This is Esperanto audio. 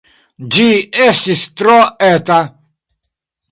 Ĝi estis tro eta.